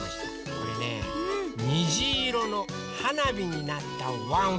これねにじいろのはなびになったワンワンをかいてくれました。